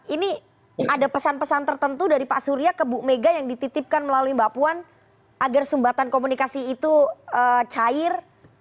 ini ada pesan pesan tertentu dari pak surya ke bu mega yang dititipkan melalui mbak puan agar sumbatan komunikasi itu cair